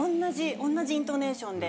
同じイントネーションで。